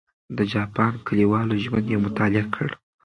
د جاپان کلیوالو ژوند یې مطالعه کړ.